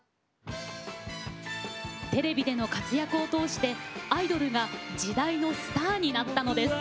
テレビでの活躍を通してアイドルが時代のスターになったのです。